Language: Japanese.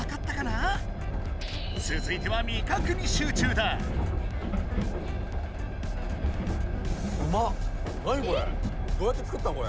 つづいてはどうやって作ったのこれ！